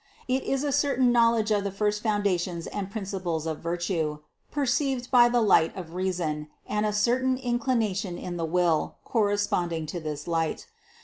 It is a certain knowledge of the first foundations and principles of virtue, perceived by the light of reason, and a certain inclination in the will, corresponding to this light.